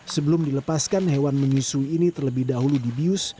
sebelum dilepaskan hewan menyusui ini terlebih dahulu dibius